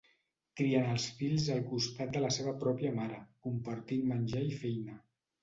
Crien els fils al costat la seva pròpia mare, compartint menjar i feina.